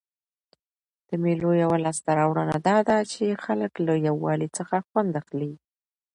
د مېلو یوه لاسته راوړنه دا ده، چي خلک له یووالي څخه خوند اخلي.